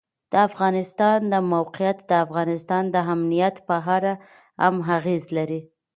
د افغانستان د موقعیت د افغانستان د امنیت په اړه هم اغېز لري.